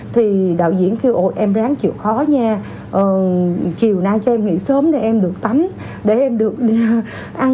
thì đạo diễn kêu hội em ráng chịu khó nha chiều nay cho em bị sớm để em được tắm để em được ăn